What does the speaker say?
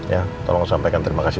ya tolong sampaikan terima kasih